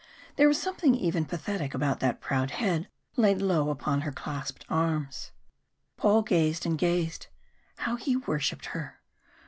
There was something even pathetic about that proud head laid low upon her clasped arms. Paul gazed and gazed. How he worshipped her!